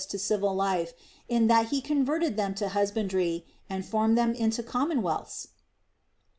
to a civil life, in that he converted them to husbandry and formed them into commonwealths?